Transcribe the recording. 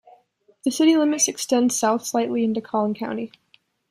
The city limits extend south slightly into Collin County.